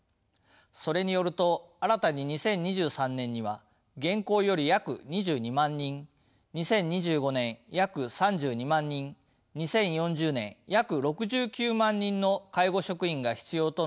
それによると新たに２０２３年には現行より約２２万人２０２５年約３２万人２０４０年約６９万人の介護職員が必要との試算がなされています。